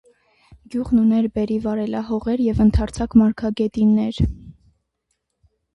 Գյուղն ուներ բերրի վարելահողեր և ընդարձակ մարգագետիններ։